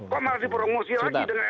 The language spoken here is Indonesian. kok masih promosi lagi